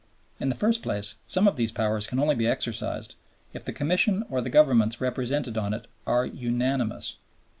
In the first place, some of these powers can only be exercised if the Commission or the Governments represented on it are unanimous.